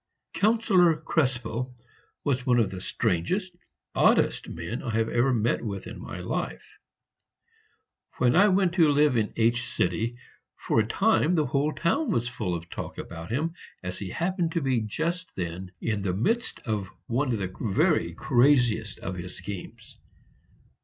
Councillor Krespel was one of the strangest, oddest men I ever met with in my life. When I went to live in H for a time the whole town was full of talk about him, as he happened to be just then in the midst of one of the very craziest of his schemes.